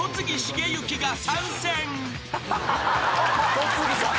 戸次さん！